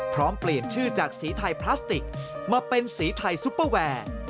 พร้อมเปลี่ยนชื่อจากสีไทยพลาสติกมาเป็นสีไทยซุปเปอร์แวร์